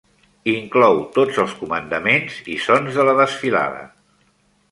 Inclou tots els comandaments i sons de la desfilada.